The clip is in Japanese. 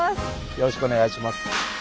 よろしくお願いします。